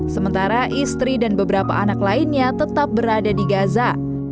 sementara istri dan beberapa anak lainnya tetap berada di gaza